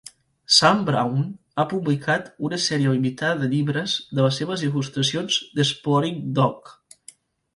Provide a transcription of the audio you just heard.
Sam Brown ha publicat una sèrie limitada de llibres de les seves il·lustracions d'explodingdog.